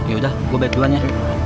yaudah gue duluan ya